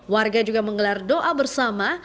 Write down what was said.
warga juga menggelar doa bersama